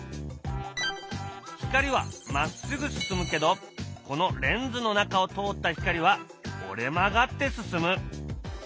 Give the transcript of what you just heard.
光はまっすぐ進むけどこのレンズの中を通った光は折れ曲がって進む。